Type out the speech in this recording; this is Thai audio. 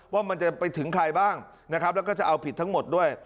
ว่ามันจะไปถึงใครบ้างนะครับแล้วก็จะเอาผิดทั้งหมดด้วย